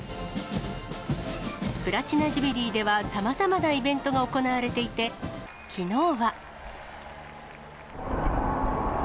プラチナ・ジュビリーではさまざまなイベントが行われていて、きのうは。